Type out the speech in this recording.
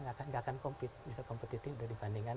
nggak akan compete bisa kompetitif dibandingkan